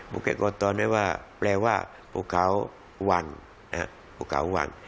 บุเกโกโตนี่ว่าแปลว่าภูเขาวังนะฮะภูเขาวัง